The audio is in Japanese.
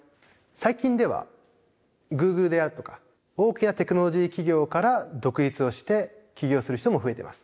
最近ではグーグルであるとか大きなテクノロジー企業から独立をして起業する人も増えてます。